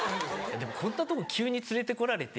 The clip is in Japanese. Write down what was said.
でもこんなとこ急に連れてこられて。